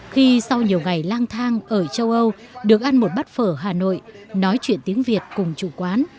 khi sau nhiều ngày lang thang ở châu âu được ăn một bát phở hà nội nói chuyện tiếng việt cùng chủ quán